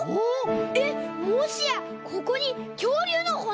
えっもしやここにきょうりゅうのほねが！？